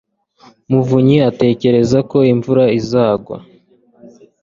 muvunyi atekereza ko imvura izagwa